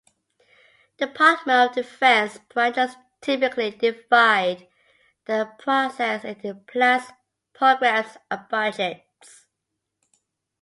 Department of Defense branches typically divide the process into plans, programs and budgets.